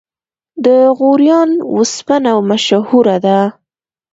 د غوریان وسپنه مشهوره ده